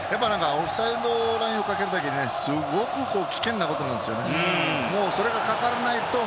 オフサイドトラップをかけるのはすごく危険なことなんですよ。